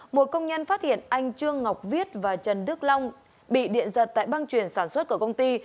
một công nhân phát hiện anh trương ngọc viết và trần đức long bị điện giật tại băng chuyển sản xuất của công ty